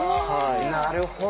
なるほど。